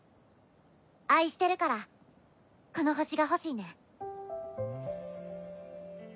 愛してるからこの惑星が欲しいねん。